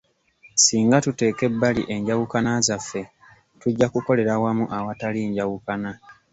Singa tuteeka ebbali enjawukana zaffe tujja kukolera wamu awatali njawukna.